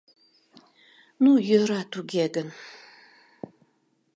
— Ну, йӧра туге гын.